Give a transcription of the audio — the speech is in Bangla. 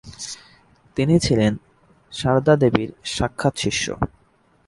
তিনি ছিলেন সারদা দেবীর সাক্ষাৎ শিষ্য।